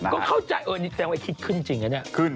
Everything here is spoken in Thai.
ก็เข้าใจเออนี่แสดงว่าคิดขึ้นจริงนะเนี่ย